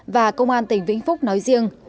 và công an tỉnh vĩnh phúc nói riêng